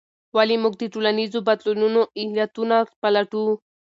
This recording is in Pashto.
ولې موږ د ټولنیزو بدلونونو علتونه پلټو؟